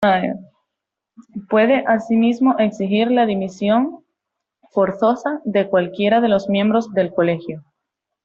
Puede asimismo exigir la dimisión forzosa de cualquiera de los miembros del Colegio.